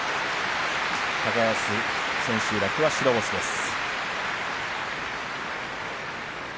高安、千秋楽は白星です。